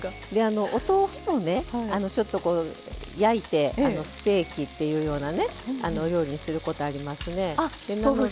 お豆腐を焼いてステーキっていうようなねお料理にすることありますね。